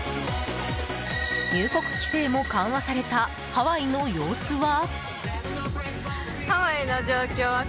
入国規制も緩和されたハワイの様子は。